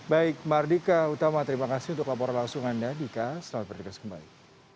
baik mardika utama terima kasih untuk laporan langsung anda dika selamat berdikas kembali